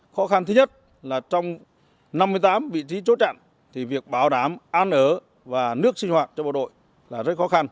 khó khăn thứ nhất là trong năm mươi tám vị trí chốt chặn thì việc bảo đảm an ở và nước sinh hoạt cho bộ đội là rất khó khăn